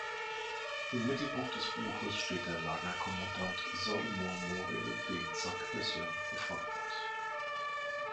Im Mittelpunkt des Buches steht der Lagerkommandant Salomon Morel, den Sack persönlich befragt hat.